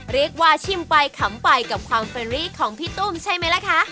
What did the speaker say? เรียกว่าชิมไปขำไปกับความเฟรนรีส์ของพี่ตุ้มใช่ไหมละคะ